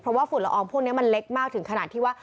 เพราะว่าฝุ่นละอองพวกนี้มันเล็กมากถึงขนาดที่ว่า